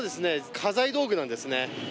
家財道具なんですね。